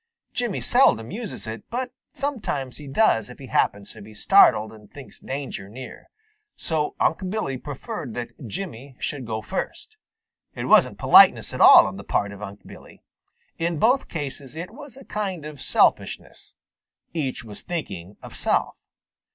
Jimmy seldom uses it, but sometimes he does if he happens to be startled and thinks danger near. So Unc' Billy preferred that Jimmy should go first. It wasn't politeness at all on the part of Unc' Billy. In both cases it was a kind of selfishness. Each was thinking of self.